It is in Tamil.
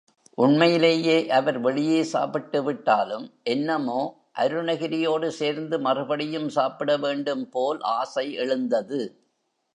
உண்மையிலேயே அவர் வெளியே சாப்பிட்டு விட்டாலும், என்னமோ அருணகிரியோடு சேர்ந்து மறுபடியும் சாப்பிட வேண்டும் போல் ஆசை எழுந்தது.